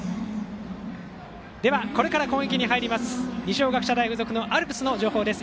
では、これから攻撃に入ります二松学舎大付属のアルプスの情報です。